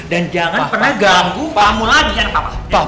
dan jangan pernah ganggu kamu lagi sama papa